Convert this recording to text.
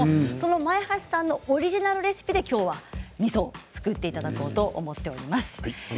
前橋さんのオリジナルレシピできょうはみそを造っていただこうと思っています。